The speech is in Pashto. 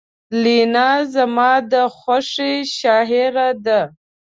لینا زما د خوښې شاعره ده